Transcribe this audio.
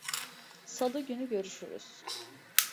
Salı günü görüşürüz.